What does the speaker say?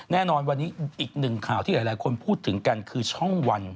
แน่นอนวันนี้อีกหนึ่งข่าวที่หลายคนพูดถึงกันคือช่องวัน